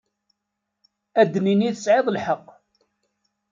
Ad nini tesεiḍ lḥeqq.